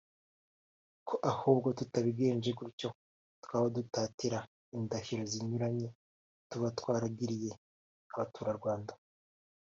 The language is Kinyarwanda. ko ahubwo tutabigenje gutyo twaba dutatira indahiro zinyuranye tuba twaragiriye abaturarwanda